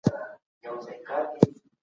دولت د تخنیکي زده کړو لپاره بودیجه زیاتوي.